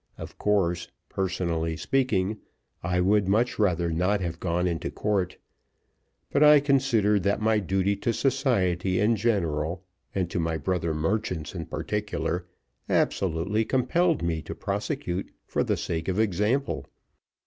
Of course, personally speaking, I would much rather not have gone into court; but I considered that my duty to society in general, and to my brother merchants in particular, absolutely compelled me to prosecute for the sake of example.